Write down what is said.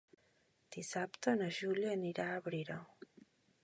Dissabte na Júlia anirà a Abrera.